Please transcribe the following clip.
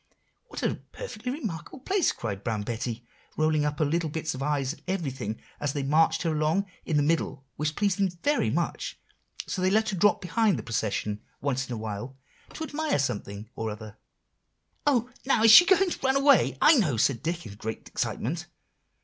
"'What a perfectly remarkable place,' cried Brown Betty, rolling up her little bits of eyes at everything as they marched her along in the middle, which pleased them very much; so they let her drop behind the procession once in a while to admire something or other." "Oh! now she is going to run away, I know," said Dick in great excitement.